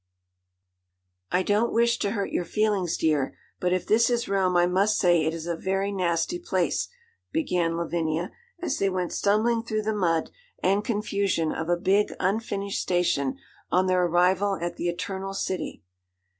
'I don't wish to hurt your feelings, dear, but if this is Rome I must say it is a very nasty place,' began Lavinia, as they went stumbling through the mud and confusion of a big, unfinished station on their arrival at the eternal city.